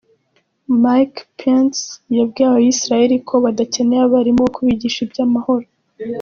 Mike Pince yabwiye Abisiraheli ko badakeneye abarimu bo kubigisha iby’amahoro.